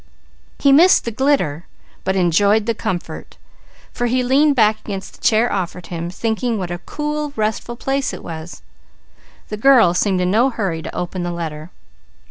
He missed the glitter, but enjoyed the comfort, for he leaned back against the chair offered him, thinking what a cool, restful place it was. The girl seemed in no hurry to open the letter.